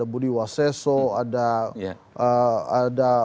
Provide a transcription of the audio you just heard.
budi waseso ada